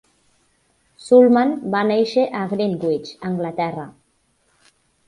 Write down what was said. Sulman va néixer a Greenwich, Anglaterra.